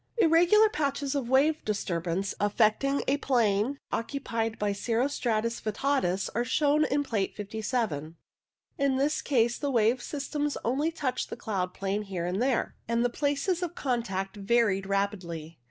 Irregular patches of wave disturbance, affecting a plane occupied by cirro stratus vittatus, are shown in Plate 57. In this case the wave systems only touch the cloud plane here and there, and the places of contact varied rapidly.